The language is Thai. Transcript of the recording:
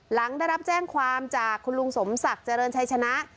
หลังได้รับแจ้งความจากคุณลุงสมศักดิ์เจริญชัยชนะ